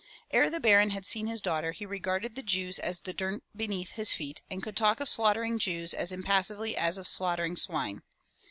Ere the Baron had seen his daughter he regarded the Jews as the dirt beneath his feet and could talk of slaughtering Jews as impassively as of slaughtering swine.